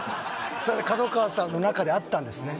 それが角川さんの中であったんですね